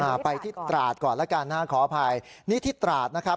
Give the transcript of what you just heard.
ไปที่ตราดก่อนแล้วกันนะฮะขออภัยนี่ที่ตราดนะครับ